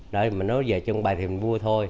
nó về trong bài thiền vua thôi